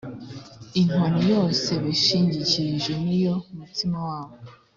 inkoni yose bishingikirije ni yo mutsima wabo